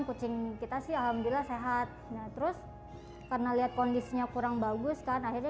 kucing kita sih alhamdulillah sehat terus karena lihat kondisinya kurang bagus kan akhirnya